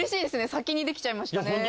先にできちゃいましたね。